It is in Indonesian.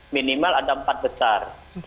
minimal ada empat besar